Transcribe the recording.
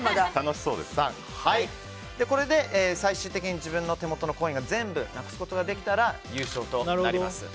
これで最終的に自分の手元のコインを全部なくすことができたら優勝となります。